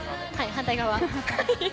反対側。